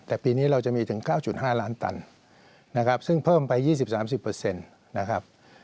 แต่ปีนี้เราจะมีถึง๙๕ล้านตันซึ่งเพิ่มไป๒๐๓๐เปอร์เซ็นต์นะครับ